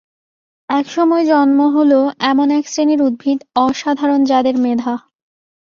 এক সময় জন্ম হল এমন এক শ্রেণীর উদ্ভিদ, অসাধারণ যাদের মেধা।